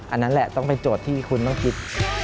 อันนั้นแหละต้องเป็นโจทย์ที่คุณต้องคิด